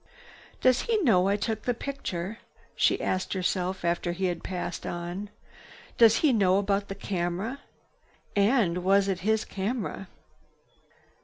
"Does he know I took the picture?" she asked herself after he had passed on. "Does he know about the camera? And was it his camera?"